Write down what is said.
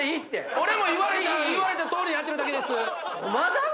俺も言われたとおりにやってるだけです。